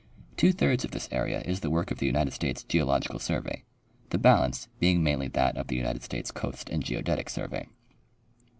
Two thirds of this area is the work of the United States Geological survey, the balance being mainly that of the United States Coast and Geodetic survey.